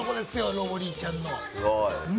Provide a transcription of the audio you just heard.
ロボリィちゃんの。